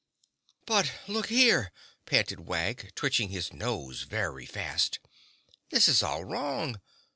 "But, look here," panted Wag, twitching his nose very fast, "this is all wrong.